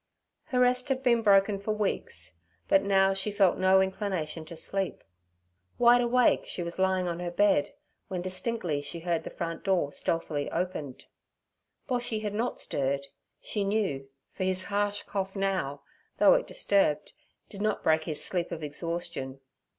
Her rest had been broken for weeks, but now she felt no inclination to sleep. Wide awake, she was lying on her bed, when distinctly she heard the front door stealthily opened. Boshy had not stirred, she knew, for his harsh cough now, though it disturbed, did not break his sleep of exhaustion.